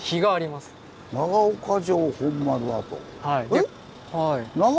えっ？